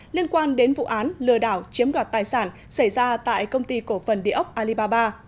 liên quan đến vụ án lừa đảo chiếm đoạt tài sản xảy ra tại công ty cổ phần địa ốc alibaba